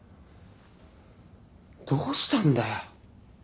どうしたんだよ？